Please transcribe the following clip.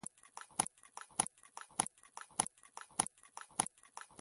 د توکو بیه بېرته په بازار کې لوړېږي